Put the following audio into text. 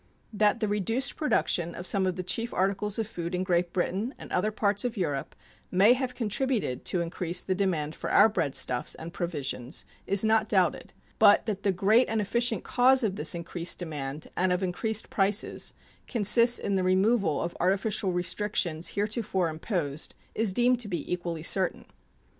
That the reduced production of some of the chief articles of food in Great Britain and other parts of Europe may have contributed to increase the demand for our breadstuffs and provisions is not doubted, but that the great and efficient cause of this increased demand and of increased prices consists in the removal of artificial restrictions heretofore imposed is deemed to be equally certain.